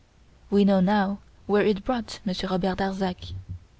We know now where it brought Monsieur Robert Darzac.